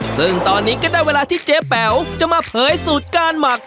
ซึ่งตอนนี้ก็ได้เวลาที่เจ๊แป๋วจะมาเผยสูตรการหมัก